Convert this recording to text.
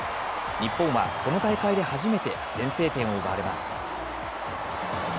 日本はこの大会で初めて先制点を奪われます。